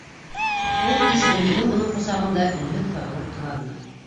Ул кис Гөлйөҙөм уның ҡосагында өнһөҙ һығылып иланы.